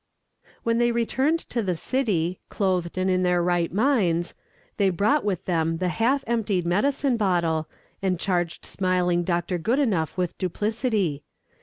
When they returned to the city, clothed and in their right minds, they brought with them the half emptied medicine bottle, and charged smiling Dr. Goodenough with duplicity.